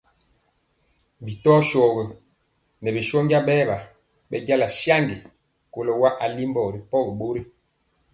Bi tɔ shogi ŋɛɛ bi shónja bɛɛwa bɛnjala saŋgi kɔlo wa alimbɔ ripɔgi bori.